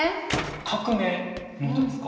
革命の歌ですか？